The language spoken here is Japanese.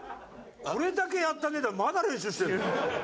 これだけやったネタをまだ練習してるの？